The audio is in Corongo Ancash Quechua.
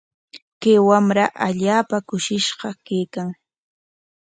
Kay wamra allaapa kushishqa kaykan.